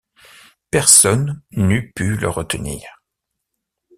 Personne n’eût pu le retenir